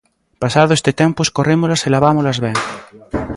Pasado este tempo escorrémolas e lavámolas ben.